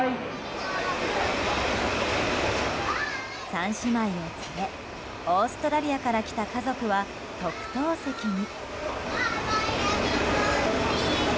３姉妹を連れオーストラリアから来た家族は特等席に。